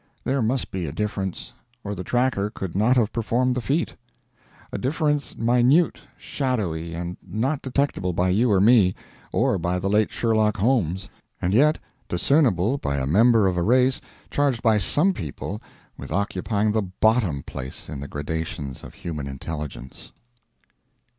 There must be a difference, or the tracker could not have performed the feat; a difference minute, shadowy, and not detectible by you or me, or by the late Sherlock Holmes, and yet discernible by a member of a race charged by some people with occupying the bottom place in the gradations of human intelligence.